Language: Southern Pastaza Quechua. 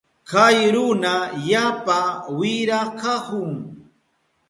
Kay runa yapa wira kahun.